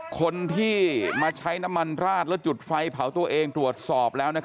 คนที่มาใช้น้ำมันราดแล้วจุดไฟเผาตัวเองตรวจสอบแล้ว